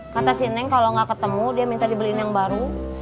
kata si neng kalau nggak ketemu dia minta dibeliin yang baru